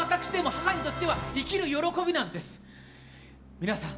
皆さん。